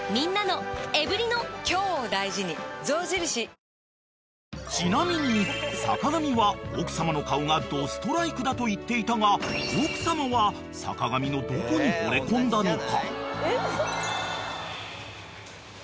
「ＪＡＰＡＮＡＬＥ香」新発売［ちなみに坂上は奥様の顔がドストライクだと言っていたが奥様は坂上のどこにほれ込んだのか］